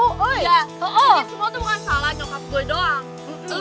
udah semua tuh bukan salah nyokap gue doang